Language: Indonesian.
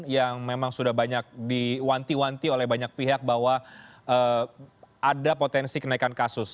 yang memang sudah banyak diwanti wanti oleh banyak pihak bahwa ada potensi kenaikan kasus